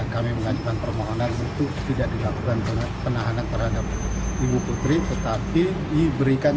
kami mengajukan permohonan untuk tidak dilakukan penahanan terhadap ibu putri tetapi diberikan